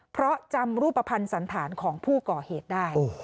เพราะจำรูปภัณฑ์สันธารของผู้ก่อเหตุได้